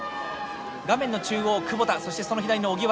画面の中央窪田そしてその左の荻原